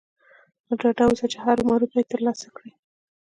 نو ډاډه اوسئ چې هرو مرو به يې ترلاسه کړئ.